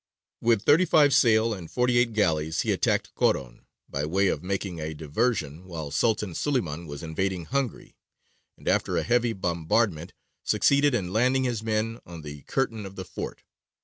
With thirty five sail and forty eight galleys he attacked Coron, by way of making a diversion while Sultan Suleymān was invading Hungary, and after a heavy bombardment succeeded in landing his men on the curtain of the fort.